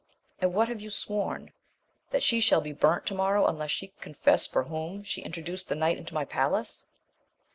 — And what have you sworn? — That she shall be burnt to morrow unless she confess for whom she in troduced the knight into my palace.